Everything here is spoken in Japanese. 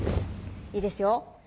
いいですよ。